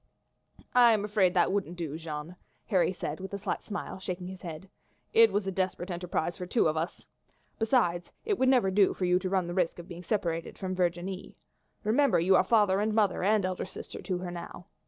"I am afraid that wouldn't do, Jeanne," Harry said with a slight smile, shaking his head. "It was a desperate enterprise for two of us. Besides, it would never do for you to run the risk of being separated from Virginie. Remember you are father and mother and elder sister to her now.